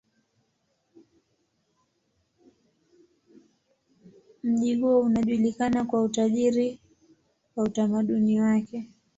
Mji huo unajulikana kwa utajiri wa utamaduni wake.